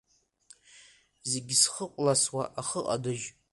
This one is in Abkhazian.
Зегь зхыкәласуа ахы ҟадыџь…